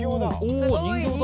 お人形だ。